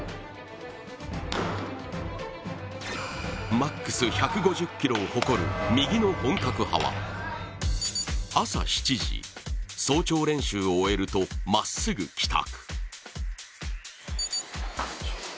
マックス１５０キロを誇る右の本格派は朝７時、早朝練習を終えるとまっすぐ帰宅。